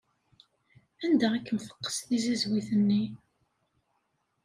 Anda i kem-teqqes tzizwit-nni?